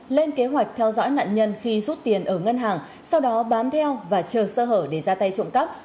lên kế hoạch theo dõi nạn nhân khi rút tiền ở ngân hàng sau đó bám theo và chờ sơ hở để ra tay trộm cắp